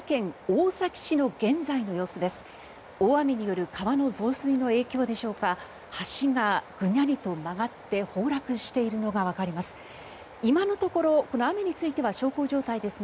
大雨による川の増水の影響でしょうか橋がぐにゃりと曲がって崩落しているのがわかります。